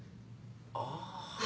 ああ。